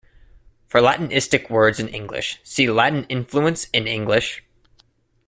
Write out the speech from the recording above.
For Latinistic words in English, see Latin influence in English.